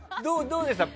どうですか。